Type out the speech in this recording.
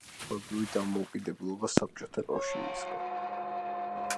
როგორც ცნობილია მათი მთავარი მიზანი იყო საქართველოს სახელმწიფოებრივი დამოუკიდებლობა საბჭოთა კავშირისგან.